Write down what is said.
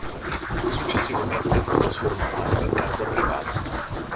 Successivamente fu trasformata in casa privata.